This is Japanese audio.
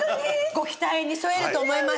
ご期待に沿えると思います。